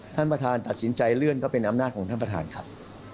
ท่านประธานตัดสินใจเลื่อนก็เป็นอำนาจของท่านประธานครับ